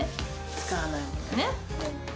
使わないものね。